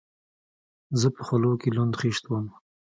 زه په خولو کښې لوند خيشت وم.